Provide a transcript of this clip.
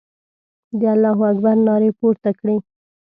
د الله اکبر نارې پورته کړې.